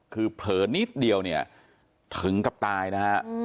คือเผลอนิดเดียวเนี่ยถึงกับตายนะฮะ